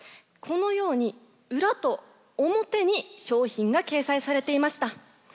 このように裏と表に商品が掲載されていました。